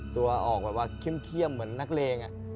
ตัวออกแบบว่าเข้มเหมือนนักเลง